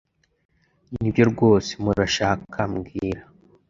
Nibyo rwose murashaka mbwira